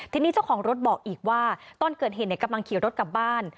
ทีนี้เจ้าของรถบอกอีกว่าตอนเกิดเหตุกำลังขี่รถกลับบ้าน